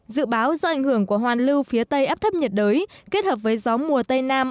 dự báo do ảnh hưởng của hoàn lưu phía tây áp thấp nhiệt đới kết hợp với gió mùa tây nam